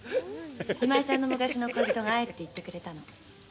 今井さんの昔の恋人が会えって言ってくれたの。